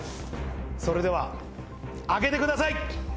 それでは開けてください。